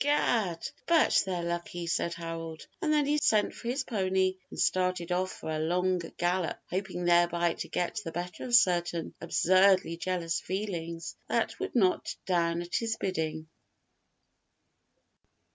"Gad, but they're lucky!" said Harold: and then he sent for his pony and started off for a long gallop, hoping thereby to get the better of certain absurdly jealous feelings that would not down at his bidding.